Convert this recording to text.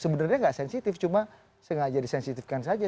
sebenarnya nggak sensitif cuma sengaja disensitifkan saja